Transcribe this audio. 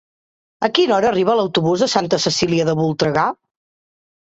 A quina hora arriba l'autobús de Santa Cecília de Voltregà?